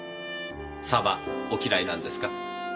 サバお嫌いなんですか？